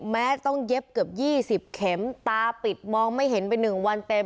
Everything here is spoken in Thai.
แม้ต้องเย็บเกือบ๒๐เข็มตาปิดมองไม่เห็นไป๑วันเต็ม